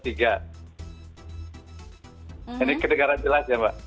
ini kedengaran jelas ya mbak